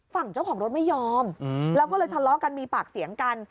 ฝั่งเจ้าของรถไม่ยอมแล้วก็เลยทะเลาะกันมีปากเสียงกัน